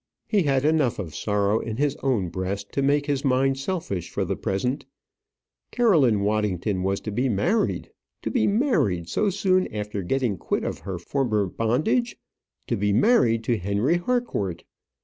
He had enough of sorrow in his own breast to make his mind selfish for the present Caroline Waddington was to be married! to be married so soon after getting quit of her former bondage; to be married to Henry Harcourt.